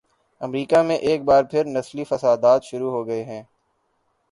امریکہ میں ایک بار پھر نسلی فسادات شروع ہوگئے ہیں۔